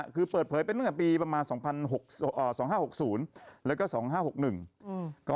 คือเปิดเผยเป็นตั้งแต่ปีประมาณ๒๕๖๐แล้วก็๒๕๖๑